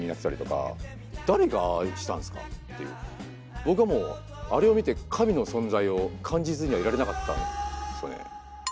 僕はもうあれを見て神の存在を感じずにはいられなかったんですよね。